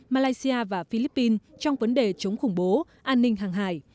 malaysia và philippines trong vấn đề chống khủng bố an ninh hàng hải